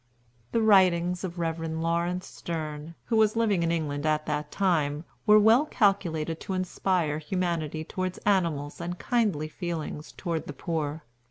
The writings of the Rev. Laurence Sterne, who was living in England at that time, were well calculated to inspire humanity toward animals and kindly feelings toward the poor.